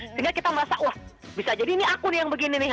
sehingga kita merasa wah bisa jadi ini aku nih yang begini nih